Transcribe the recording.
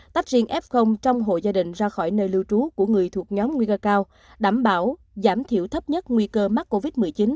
tách riêng f trong hộ gia đình ra khỏi nơi lưu trú của người thuộc nhóm nguy cơ cao đảm bảo giảm thiểu thấp nhất nguy cơ mắc covid một mươi chín